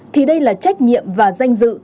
thì đây là trách nhiệm và danh dự